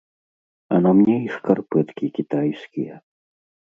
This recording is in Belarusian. А на мне і шкарпэткі кітайскія.